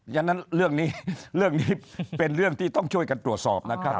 ฉะนั้นเรื่องนี้เรื่องนี้เป็นเรื่องที่ต้องช่วยกันตรวจสอบนะครับ